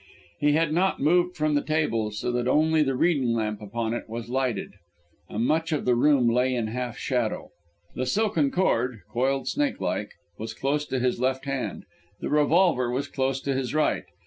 He had not moved from the table, so that only the reading lamp upon it was lighted, and much of the room lay in half shadow. The silken cord, coiled snake like, was close to his left hand; the revolver was close to his right.